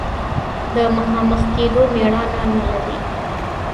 د مخامخ کېدو مېړانه نه لري.